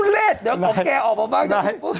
ทุลเลชเดี๋ยวของแกออกมาบ้าง